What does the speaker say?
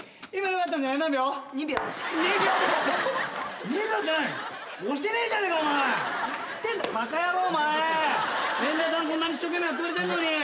こんなに一生懸命やってくれてんのに。